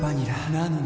なのに．．．